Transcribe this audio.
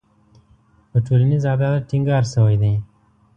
په ټولنیز عدالت ټینګار شوی دی.